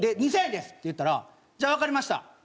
「２０００円です」って言ったら「じゃあわかりました。